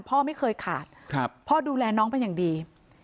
พ่อไม่เคยขาดพ่อดูแลน้องเป็นอย่างดี